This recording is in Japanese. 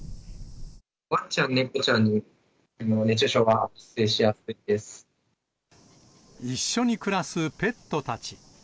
ワンちゃん、猫ちゃんに熱中一緒に暮らすペットたち。